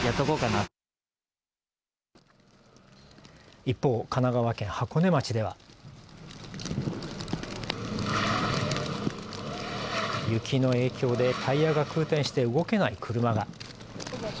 一方、神奈川県箱根町では雪の影響でタイヤが空転して動けない車が。